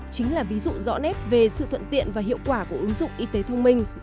chính là ví dụ rõ nét về sự thuận tiện và hiệu quả của ứng dụng y tế thông minh